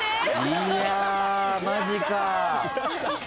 いやマジか。